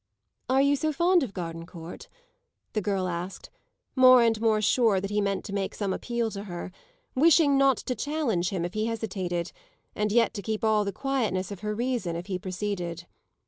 "Are you so fond of Gardencourt?" the girl asked, more and more sure that he meant to make some appeal to her; wishing not to challenge him if he hesitated, and yet to keep all the quietness of her reason if he proceeded.